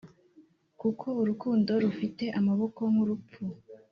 kuko urukundo rufite amaboko nk’urupfu;